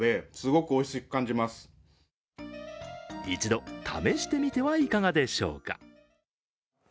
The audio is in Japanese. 一度試してみては、いかがでしょうか。